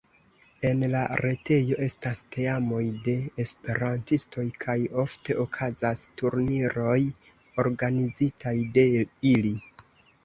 En la retejo estas teamoj de esperantistoj kaj ofte okazas turniroj organizitaj de ili.